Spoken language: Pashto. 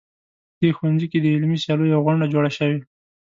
په دې ښوونځي کې د علمي سیالیو یوه غونډه جوړه شوې